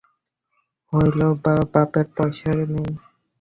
হলই বা বাপের পয়সা নেই?